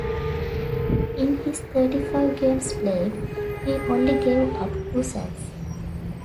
In his thirty-five games played, he only gave up two sacks.